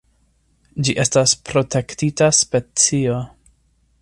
Ĝi estas protektita specio.